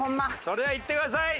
それではいってください！